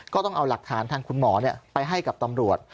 ก็ต้องเอาหลักฐานทางคุณหมอไปให้กับตำรวจ